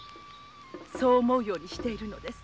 そう思うようにしているのです。